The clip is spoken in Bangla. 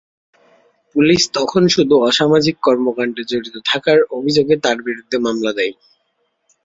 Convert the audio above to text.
পুলিশ তখন শুধু অসামাজিক কর্মকাণ্ডে জড়িত থাকার অভিযোগে তাঁর বিরুদ্ধে মামলা দেয়।